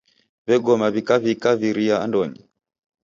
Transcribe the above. W'egoma w'ikaw'ika viria andonyi.